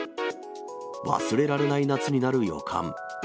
忘れられない夏になる予感。